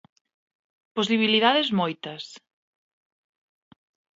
Posibilidades, moitas.